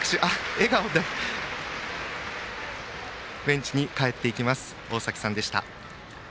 笑顔でベンチに帰っていきます大崎さんでした。